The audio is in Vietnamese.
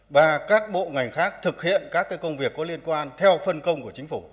và các bộ ngành khác thực hiện các công việc có liên quan theo phân công của chính phủ